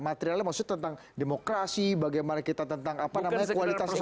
materialnya maksudnya tentang demokrasi bagaimana kita tentang apa namanya kualitas demokrasi